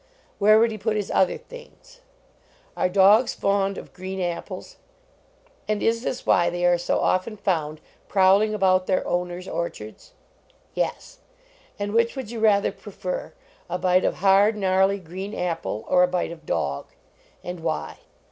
\Vhere would he put his other things? A fond of green ap JONAS pies ? And is this why tney are so often found prowl ing about their owners orchards ? Yes ; and which would you rather prefer, a bite of hard, gnarly green apple, or a bite of dog ? And why